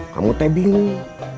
kamu teh bingung